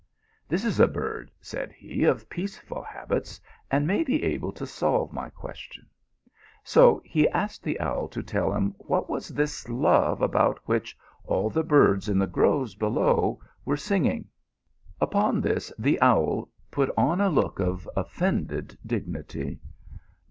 "This is a bird," said he, " of peaceful habits, and may be able to solve my question." So he asked the owl to tell him 114 TH& ALHAMBEA. what was this love about which all the birds in the groves below were singing. Upon this the owl put on a^Iook <5T offended dig nity.